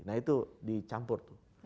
nah itu dicampur tuh